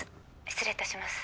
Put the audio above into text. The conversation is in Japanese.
☎失礼いたします